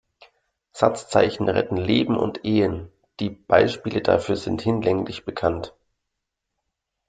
Satzzeichen retten Leben und Ehen, die Beispiele dafür sind hinlänglich bekannt.